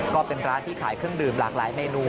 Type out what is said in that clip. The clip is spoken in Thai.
ก็เป็นร้านที่ขายเครื่องดื่มหลากหลายเมนู